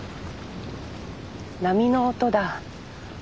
波の音だ。